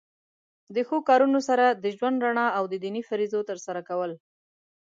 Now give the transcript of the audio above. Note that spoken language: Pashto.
د ښو کارونو سره د ژوند رڼا او د دینی فریضو تر سره کول.